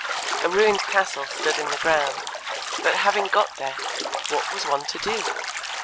A ruined castle stood in the grounds. But having got there, what was one to do?